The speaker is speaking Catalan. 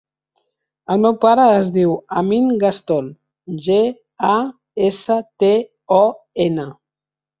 El meu pare es diu Amin Gaston: ge, a, essa, te, o, ena.